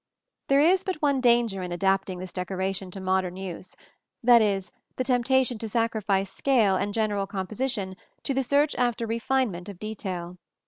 There is but one danger in adapting this decoration to modern use that is, the temptation to sacrifice scale and general composition to the search after refinement of detail.